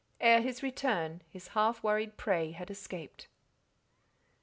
Ere his return, his half worried prey had escaped.